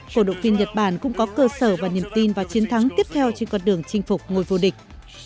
cổ động viên nhật bản cũng có cơ sở và niềm tin vào chiến thắng tiếp theo trên con đường chinh phục ngôi vô địch